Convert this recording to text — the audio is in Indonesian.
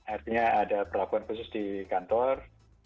artinya ada perlakuan khusus di kantor